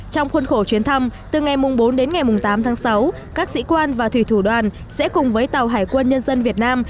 trong khuôn khổ chuyến thăm từ ngày bốn đến ngày tám tháng sáu các sĩ quan và thủy thủ đoàn sẽ cùng với tàu hải quân nhân dân việt nam